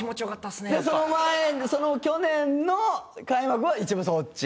でその前去年の開幕はそっち？